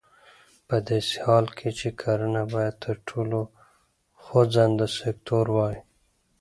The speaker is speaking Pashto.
په داسې حال کې چې کرنه باید تر ټولو خوځنده سکتور وای.